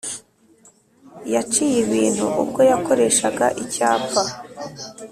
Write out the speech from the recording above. yaciye ibintu ubwo yakoreshaga icyapa,